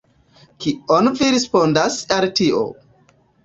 Kion vi respondas al tio?